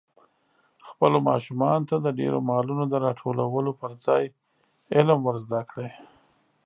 خپلو ماشومانو ته د ډېرو مالونو د راټولولو پر ځای علم ور زده کړئ.